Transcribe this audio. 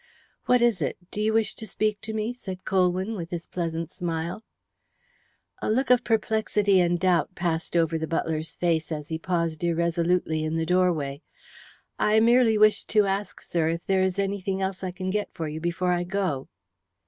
"What is it? Do you wish to speak to me?" said Colwyn, with his pleasant smile. A look of perplexity and doubt passed over the butler's face as he paused irresolutely in the doorway. "I merely wished to ask, sir, if there is anything else I can get for you before I go."